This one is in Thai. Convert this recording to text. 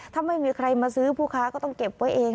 ถ้าไม่มีใครมาซื้อผู้ค้าก็ต้องเก็บไว้เอง